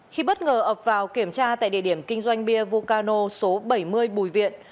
khi bất ngờ ập vào kiểm tra tại địa điểm kinh doanh bia vucano số bảy mươi bùi viện